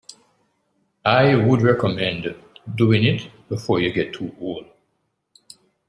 I would recommend doing it before you get too old.